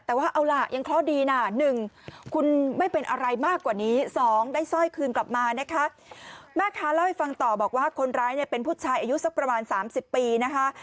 แล้วให้ฟังต่อบอกว่าคนร้ายเนี่ยเป็นผู้ชายอายุสักประมาณ๓๐ปีนะคะ